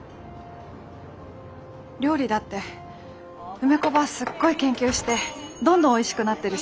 料理だって梅子ばぁすっごい研究してどんどんおいしくなってるし。